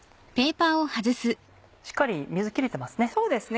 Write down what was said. しっかり水切れてますね。